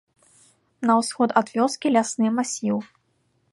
На ўсход ад вёскі лясны масіў.